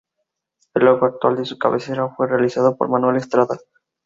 El logo actual de su cabecera fue realizado por Manuel Estrada.